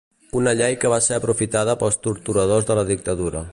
Una llei que va ser aprofitada pels torturadors de la dictadura.